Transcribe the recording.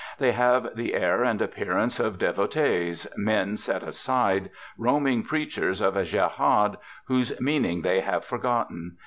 They have the air and appearance of devotees, men set aside, roaming preachers of a jehad whose meaning they have forgotten.